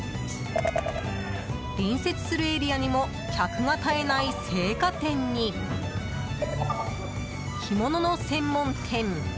隣接するエリアにも客が絶えない青果店に干物の専門店。